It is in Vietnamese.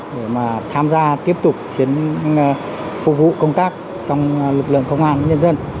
để mà tham gia tiếp tục phục vụ công tác trong lực lượng công an nhân dân